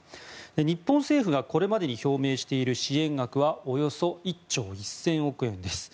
日本政府がこれまでに表明している支援額はおよそ１兆１０００億円です。